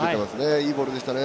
いいボールでしたね。